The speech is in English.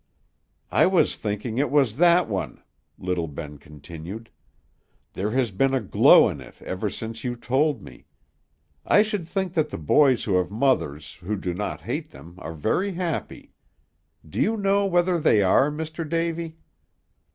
"I was thinking it was that one," little Ben continued. "There has been a glow in it ever since you told me. I should think that the boys who have mothers who do not hate them are very happy. Do you know whether they are, Mr. Davy?"